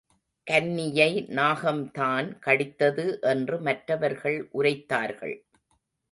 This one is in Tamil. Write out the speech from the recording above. கன்னியை நாகம்தான் கடித்தது என்று மற்றவர்கள் உரைத்தார்கள்.